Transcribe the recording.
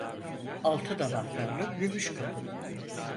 Altın anahtarlı gümüş kapılı.